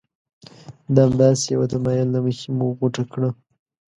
د همداسې یوه تمایل له مخې مو غوټه کړه.